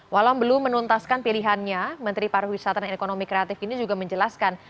walau belum menuntaskan pilihannya menteri pariwisata dan ekonomi kreatif ini juga menjelaskan